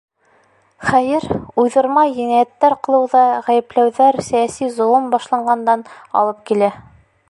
Хәйер, уйҙырма енәйәттәр ҡылыуҙа ғәйепләүҙәр сәйәси золом башланғандан алып килә.